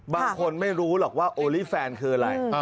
บางคนไม่รู้หรอกว่าโอลี่แฟนคืออะไร